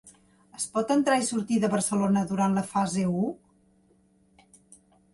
Es pot entrar i sortir de Barcelona durant la fase u?